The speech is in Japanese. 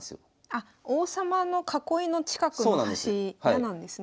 あっ王様の囲いの近くの端嫌なんですね。